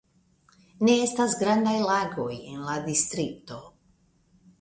Ne estas grandaj lagoj en la distrikto.